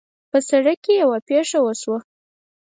په سړک کې یوه پېښه وشوه